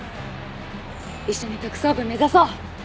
一緒に特捜部目指そう！